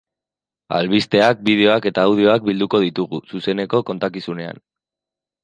Albisteak, bideoak eta audioak bilduko ditugu, zuzeneko kontakizunean.